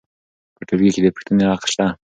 په ټولګي کې د پوښتنې حق سته.